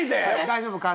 大丈夫か？